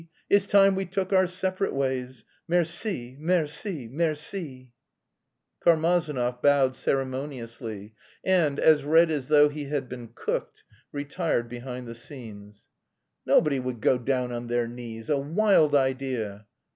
_ It's time we took our separate ways!' Merci, merci, merci!" Karmazinov bowed ceremoniously, and, as red as though he had been cooked, retired behind the scenes. "Nobody would go down on their knees; a wild idea!"